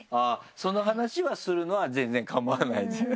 その話はするのは全然構わないんですね。